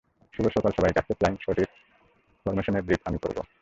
শুভ সকাল সবাইকেই আজকের ফ্লাইং সর্টির ফরম্যাশনের ব্রিফ আমি করব।